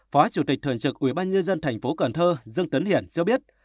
phó chủ tịch thượng trực ubnd tp cần thơ dương tấn hiển cho biết